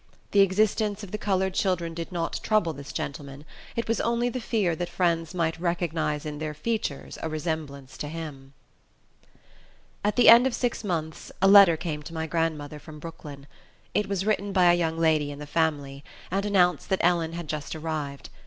The existence of the colored children did not trouble this gentleman, it was only the fear that friends might recognize in their features a resemblance to him. At the end of six months, a letter came to my grandmother, from Brooklyn. It was written by a young lady in the family, and announced that Ellen had just arrived.